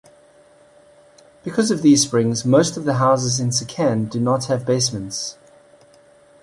Because of these springs most of the houses in Secane do not have basements.